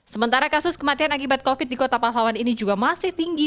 sementara kasus kematian akibat covid di kota pahlawan ini juga masih tinggi